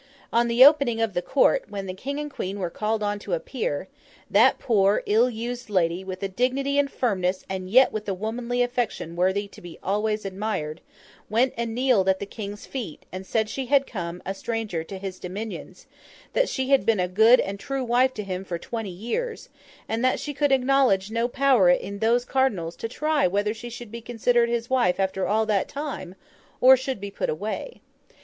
On the opening of the court, when the King and Queen were called on to appear, that poor ill used lady, with a dignity and firmness and yet with a womanly affection worthy to be always admired, went and kneeled at the King's feet, and said that she had come, a stranger, to his dominions; that she had been a good and true wife to him for twenty years; and that she could acknowledge no power in those Cardinals to try whether she should be considered his wife after all that time, or should be put away.